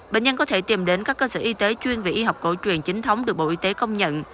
bệnh nhân có thể tìm đến các cơ sở y tế chuyên về y học cổ truyền chính thống được bộ y tế công nhận